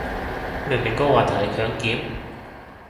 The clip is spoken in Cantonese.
明明個話題係強檢